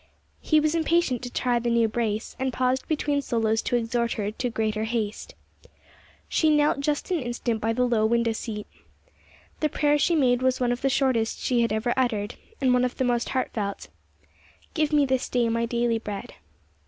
He was impatient to try the new brace, and paused between solos to exhort her to greater haste. She knelt just an instant by the low window seat. The prayer she made was one of the shortest she had ever uttered, and one of the most heartfelt: "Give me this day my daily bread."